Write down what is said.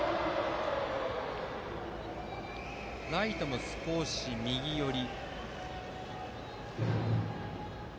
ライトも少し右寄り。